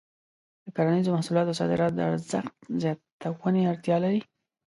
د کرنیزو محصولاتو صادرات د ارزښت زیاتونې اړتیا لري.